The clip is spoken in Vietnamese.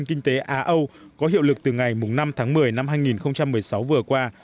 kinh tế á âu có hiệu lực từ ngày năm tháng một mươi năm hai nghìn một mươi sáu vừa qua